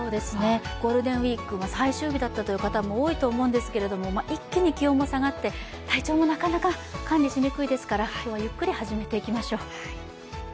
ゴールデンウイーク最終日だったという方も多いと思うんですけれども、一気に気温も下がって体調もなかなか管理しにくいですから今日はゆっくり始めていきましょう。